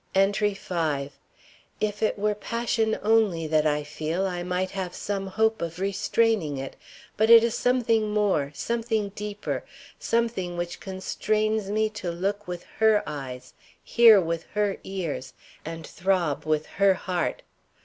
ENTRY V. If it were passion only that I feel, I might have some hope of restraining it. But it is something more, something deeper, something which constrains me to look with her eyes, hear with her ears, and throb with her heart.